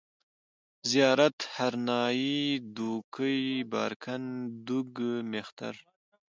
زيارت، هرنايي، دوکۍ، بارکن، دوگ، مېختر